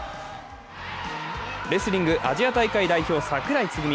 レスリング、アジア大会代表、櫻井つぐみ。